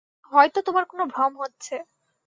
হয়তো তোমার কোনো ভ্রম হচ্ছে।